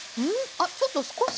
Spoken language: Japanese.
あっちょっと少し。